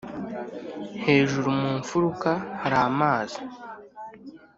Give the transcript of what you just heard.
hejuru mu mfuruka hari amazi